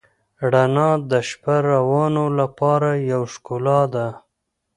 رڼا د شپهروانو لپاره یوه ښکلا ده.